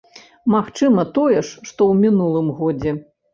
Магчыма, тое ж, што ў мінулым годзе.